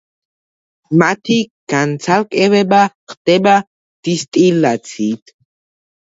მათი განცალკევება ხდება დისტილაციით.